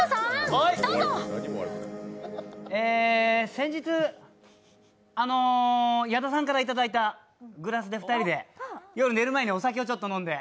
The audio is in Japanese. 先日、矢田さんから頂いたグラスで２人で夜、寝る前にお酒をちょっと飲んで。